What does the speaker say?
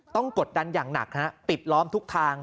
กดดันอย่างหนักฮะปิดล้อมทุกทาง